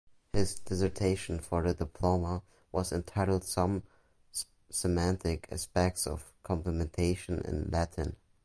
His dissertation for the Diploma was entitled "Some Semantic Aspects of Complementation in Latin".